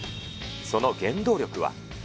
その原動力は。